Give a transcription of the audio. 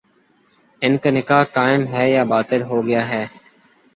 ان کا نکاح قائم ہے یا باطل ہو گیا ہے